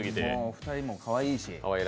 もう２人もかわいいし。